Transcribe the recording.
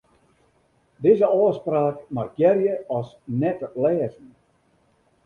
Dizze ôfspraak markearje as net-lêzen.